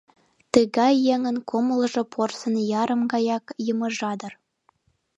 Тыгай еҥын кумылжо порсын ярым гаяк йымыжа дыр.